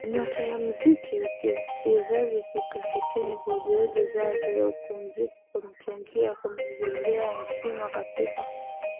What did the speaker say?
nyota wa muziki wa kizazi kipya nchini Juhudi zake kimuziki zilichangia kumjengea heshima katika